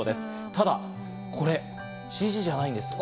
ただこれ、ＣＧじゃないんです。